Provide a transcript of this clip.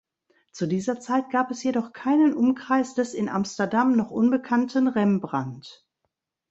Zu dieser Zeit gab es jedoch keinen Umkreis des in Amsterdam noch unbekannten Rembrandt.